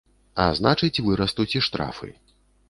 А значыць, вырастуць і штрафы.